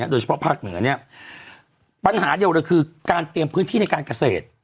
โดยเฉพาะภาคเหนือเนี่ยปัญหาเดียวเลยคือการเตรียมพื้นที่ในการเกษตร